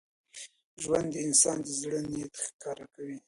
ژوند د انسان د زړه نیت ښکاره کوي.